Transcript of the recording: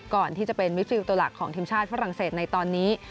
ก่อนที่จะเป็นมิดฟิลตัวหลักของทีมชาติฝรั่งเศสในตอนนี้